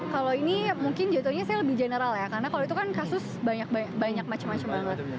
kalau ini mungkin jatuhnya saya lebih general ya karena kalau itu kan kasus banyak macam macam banget